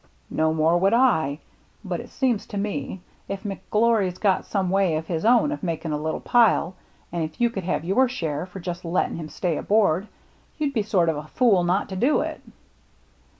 " No more would I. But it seems to me, if McGlory's got some way of his own of making a little pile, and if you could have your share for just letting him stay aboard, you'd be sort of a fool not to do it."